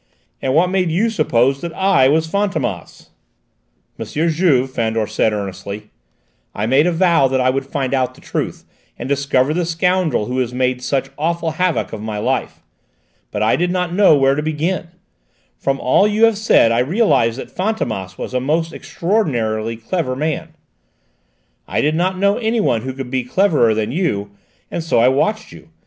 And what made you suppose that I was Fantômas?" "M. Juve," Fandor said earnestly, "I made a vow that I would find out the truth, and discover the scoundrel who has made such awful havoc of my life. But I did not know where to begin. From all you have said I realised that Fantômas was a most extraordinarily clever man; I did not know anyone who could be cleverer than you; and so I watched you!